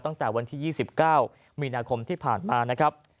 ตั้งแต่วันที่๒๙มีนาคมที่ผ่านมานะครับ